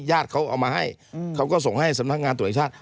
ญาติเขาเอามาให้เขาก็ส่งให้สำนักงานตรวจแห่งชาติ